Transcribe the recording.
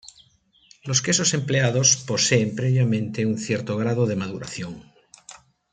Los quesos empleados poseen previamente un cierto grado de maduración.